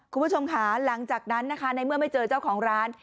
คุณผู้ชมค่ะหลังจากนั้นนะคะในเมื่อไม่เจอเจ้าของร้าน